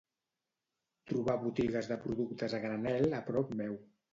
Trobar botigues de productes a granel a prop meu.